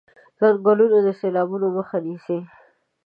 ځنګلونه د سېلابونو مخه نيسي.